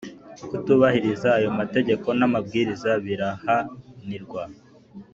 Kutubahiriza ayo mategeko n’amabwiriza birahanirwa